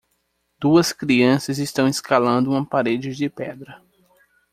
Duas crianças estão escalando uma parede de pedra.